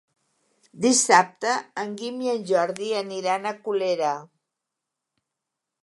Dissabte en Guim i en Jordi aniran a Colera.